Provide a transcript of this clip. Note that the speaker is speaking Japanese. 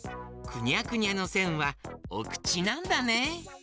くにゃくにゃのせんはおくちなんだね！